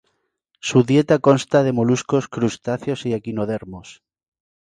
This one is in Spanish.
Su dieta consta de moluscos, crustáceos y equinodermos.